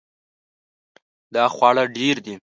دا خواړه ډیر دي